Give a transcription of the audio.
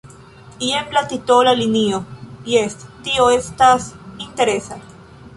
Jen la titola linio — jes, tio estas interesa!